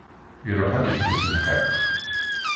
Iruḥ ad ikkes lxiq.